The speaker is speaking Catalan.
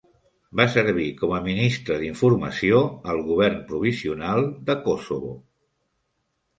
Va servir com a ministre d'informació al govern provisional de Kosovo.